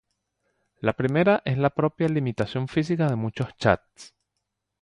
La primera es la propia limitación física de muchos chats.